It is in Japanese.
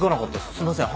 すいません。